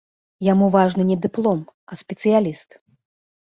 Яму важны не дыплом, а спецыяліст.